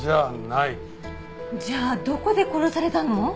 じゃあどこで殺されたの？